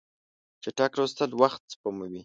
چټک لوستل وخت سپموي.